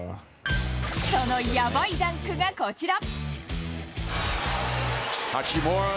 そのやばいダンクがこちら。